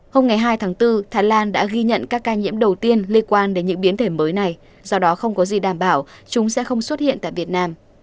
hôm ngày hai tháng bốn thái lan đã ghi nhận các ca nhiễm đầu tiên liên quan đến những biến thể mới này do đó không có gì đảm bảo chúng sẽ không xuất hiện tại việt nam